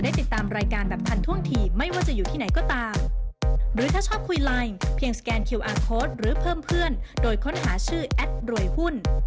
โดยค้นหาชื่อแอดรวยหุ้น